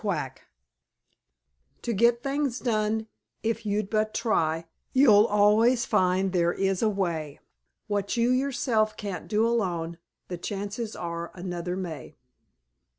QUACK To get things done, if you'll but try, You'll always find there is a way. What you yourself can't do alone The chances are another may.